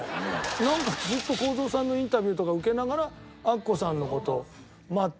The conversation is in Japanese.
なんかずっと公造さんのインタビューとか受けながらアッコさんの事待って。